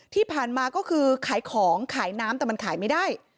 ที่ผ่านมาก็คือขายของขายน้ำแต่มันขายไม่ได้